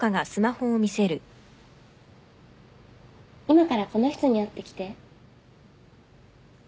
今からこの人に会ってきて